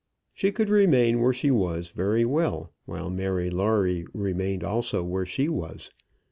She could remain where she was very well, while Mary Lawrie remained also where she was.